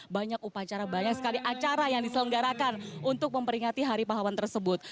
banyak upacara banyak sekali acara yang diselenggarakan untuk memperingati hari pahlawan tersebut